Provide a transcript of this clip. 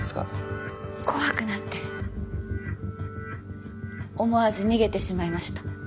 怖くなって思わず逃げてしまいました。